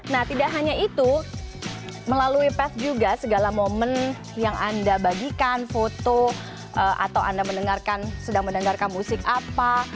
nah tidak hanya itu melalui pes juga segala momen yang anda bagikan foto atau anda mendengarkan sedang mendengarkan musik apa